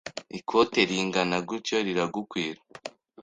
Ikote ringana gutyo riragukwira?”